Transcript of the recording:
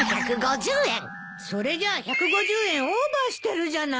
それじゃ１５０円オーバーしてるじゃない。